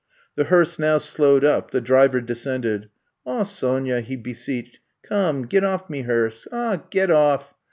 '' The hearse now slowed up, the driver de scended. *^Aw, Sonya,'' he beseeched, come, git oflf me hearse. Aw, git off.